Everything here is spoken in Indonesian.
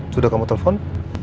sudah kamu telepon